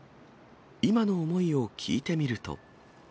今の思いを聞いてみると。